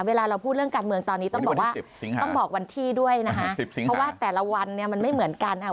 เราพูดเรื่องการเมืองตอนนี้ต้องบอกวันที่ด้วยนะฮะเพราะว่าแต่ละวันมันไม่เหมือนกัน